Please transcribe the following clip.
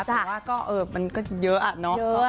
แต่ว่าก็มันก็เยอะอะเนาะ